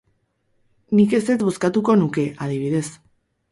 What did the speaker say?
Nik ezetz bozkatuko nuke, adibidez.